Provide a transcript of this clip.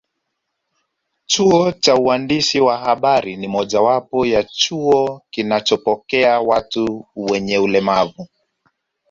Chuo cha uandishi wa habari ni mojawapo ya chuo kinachopokea watu wenye ulemavu